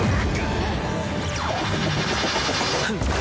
フッ！